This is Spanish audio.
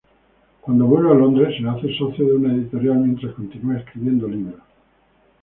Cuando vuelve a Londres se hace socio de una editorial mientras continúa escribiendo libros.